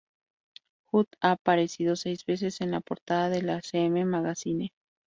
Hunt ha aparecido seis veces en la portada de la Cm Magazine.